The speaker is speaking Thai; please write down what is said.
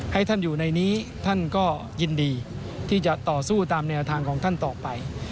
ให้ท่านอยู่ในนี้ท่านก็ยินดีที่จะต่อสู้ตามแนวทางของท่านต่อไป